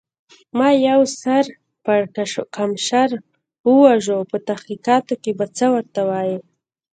ما یو سر پړکمشر و وژه، په تحقیقاتو کې به څه ورته وایې؟